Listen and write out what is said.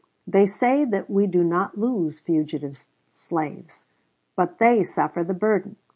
They say that we do not lose fugitive slaves; but they suffer the burden.